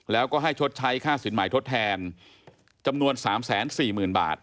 แล้วก็ให้ชดใช้ค่าสินหมายทดแทนจำนวน๓๔๐๐๐บาท